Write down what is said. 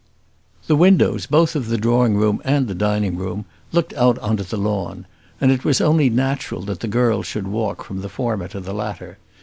The windows, both of the drawing room and the dining room, looked out on to the lawn; and it was only natural that the girls should walk from the former to the latter.